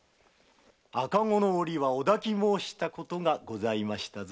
赤子のおりはお抱き申したことがございましたぞ。